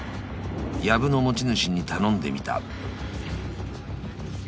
やぶの持ち主に頼んでみた］